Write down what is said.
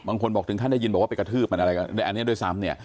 บางคนบอกถึงท่านได้ยินบอกว่าเป็นกระทืบอันนี้ด้วยซ้ำเนี่ย